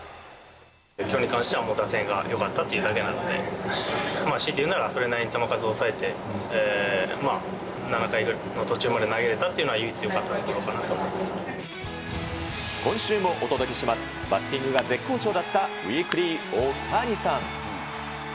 きょうに関してはもう打線がよかったというだけなので、強いて言うなら、それなりに球数を抑えて、７回の途中まで投げられたっていうのが、唯一よかった今週もお届けします、バッティングが絶好調だった、ウィークリーオオタニサン！